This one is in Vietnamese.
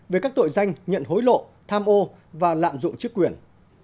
về các tội danh nhận hối lộ tham ô và lạm dụng chức quyền